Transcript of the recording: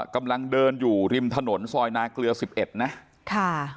กำลังเดินอยู่ริมถนนซอยนาเกลือ๑๑นะ